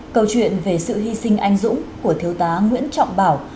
câu chuyện về sự hy sinh anh dũng của thiếu tá nguyễn trọng bảo